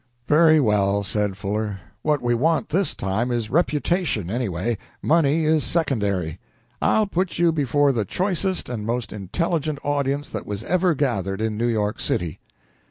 "Very well," said Fuller. "What we want this time is reputation, anyway money is secondary. I'll put you before the choicest and most intelligent audience that was ever gathered in New York City."